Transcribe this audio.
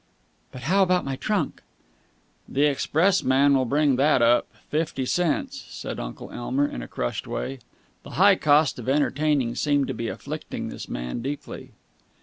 "But how about my trunk?" "The expressman will bring that up. Fifty cents!" said Uncle Elmer in a crushed way. The high cost of entertaining seemed to be afflicting this man deeply.